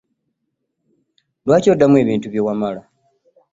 Lwaki odamu ebintu bye wamala?